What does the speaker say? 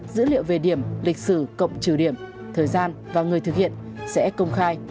dữ liệu về điểm lịch sử cộng trừ điểm thời gian và người thực hiện sẽ công khai